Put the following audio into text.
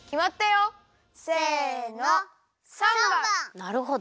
なるほど。